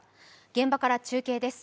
現場から中継です。